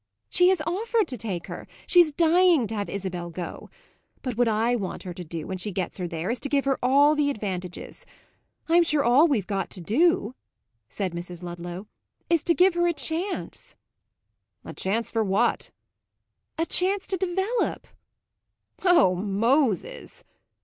"She has offered to take her she's dying to have Isabel go. But what I want her to do when she gets her there is to give her all the advantages. I'm sure all we've got to do," said Mrs. Ludlow, "is to give her a chance." "A chance for what?" "A chance to develop." "Oh Moses!"